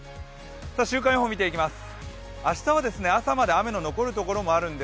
週間予報見ていきます。